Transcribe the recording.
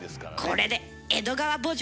これで「江戸川慕情」